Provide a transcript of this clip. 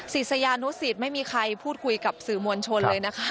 ศิษยานุสิตไม่มีใครพูดคุยกับสื่อมวลชนเลยนะคะ